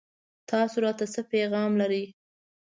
تاسو راته څه پيغام لرئ